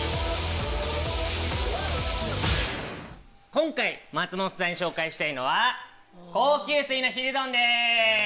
今回松本さんに紹介したいのは高級水のヒルドンです！